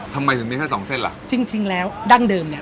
ทำไมถึงมีแค่สองเส้นล่ะจริงจริงแล้วดั้งเดิมเนี้ย